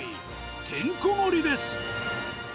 てんこ盛りです。